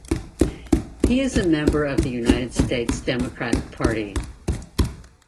He is a member of the United States Democratic Party.